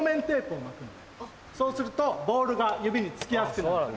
そうするとボールが指に付きやすくなるから。